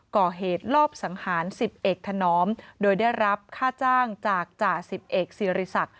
ก่อเหตุลอบสังหาร๑๐เอกถนอมโดยได้รับค่าจ้างจากจ่าสิบเอกสิริษัก